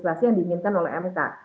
itu adalah yang diinginkan oleh mk